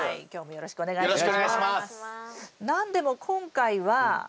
よろしくお願いします。